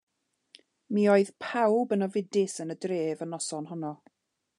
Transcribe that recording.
Mi oedd pawb yn ofidus yn y dref y noson honno.